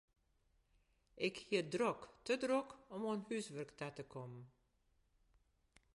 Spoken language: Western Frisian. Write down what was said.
Ik hie it drok, te drok om oan húswurk ta te kommen.